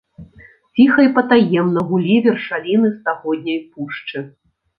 Ціха і патаемна гулі вершаліны стагодняй пушчы.